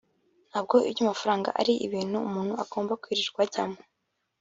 ntabwo iby’amafaranga ari ibintu umuntu agomba kwirirwa ajyamo”